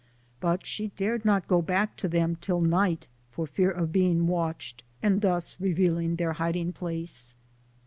But she dared not go back to them till night, for 'fear of being watched, and thus reveal ing their hiding place.